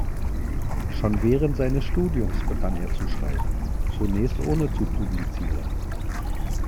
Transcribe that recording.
Schon während seines Studiums begann er zu schreiben, zunächst ohne zu publizieren.